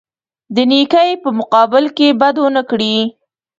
د نیکۍ په مقابل کې بد ونه کړي.